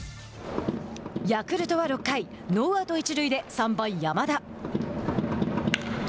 ヤクルトは６回ノーアウト、一塁で３番山田。